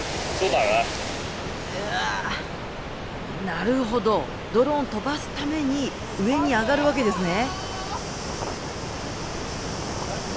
なるほどドローンを飛ばすために上に上がるわけですね。